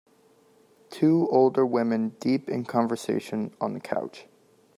Two older women deep in conversation on the couch.